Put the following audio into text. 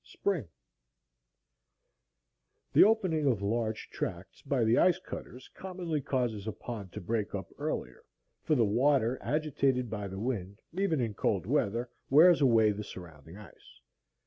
Spring The opening of large tracts by the ice cutters commonly causes a pond to break up earlier; for the water, agitated by the wind, even in cold weather, wears away the surrounding ice.